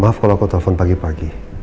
maaf kalau aku telpon pagi pagi